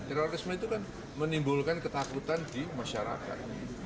terorisme itu kan menimbulkan ketakutan di masyarakat